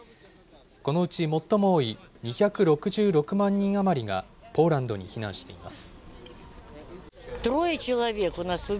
このうち最も多い２６６万人余りがポーランドに避難しています。